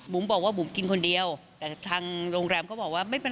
บอกว่าบุ๋มกินคนเดียวแต่ทางโรงแรมเขาบอกว่าไม่เป็น